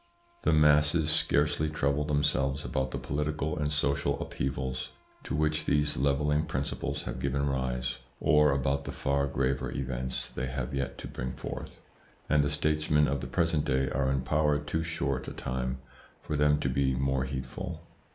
The masses scarcely trouble themselves about the political and social upheavals to which these levelling principles have given rise or about the far graver events they have yet to bring forth, and the states men of the present day are in power too short a time for them to be more heedful.